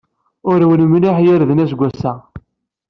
Urwen mliḥ yirden aseggas-a.